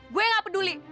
gue gak peduli